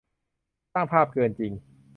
สร้างภาพเกินจริง